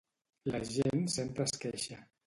La gent sempre es queixa